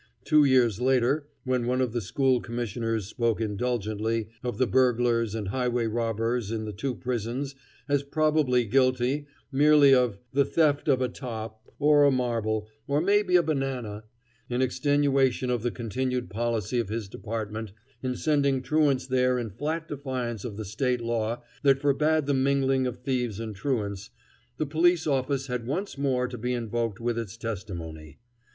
Two years later, when one of the School Commissioners spoke indulgently of the burglars and highway robbers in the two prisons as probably guilty merely of "the theft of a top, or a marble, or maybe a banana," in extenuation of the continued policy of his department in sending truants there in flat defiance of the State law that forbade the mingling of thieves and truants, the police office had once more to be invoked with its testimony.